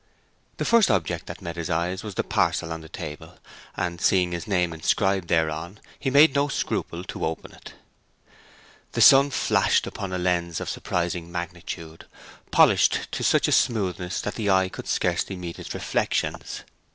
The first object that met his eyes was the parcel on the table, and, seeing his name inscribed thereon, he made no scruple to open it. The sun flashed upon a lens of surprising magnitude, polished to such a smoothness that the eye could scarcely meet its reflections.